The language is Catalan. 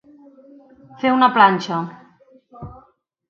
Fer una planxa.